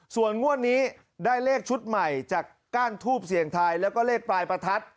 ส่วนงวดนี้ได้เลขชุดใหม่จากก้านทูบเสี่ยงทายแล้วก็เลขปลายประทัด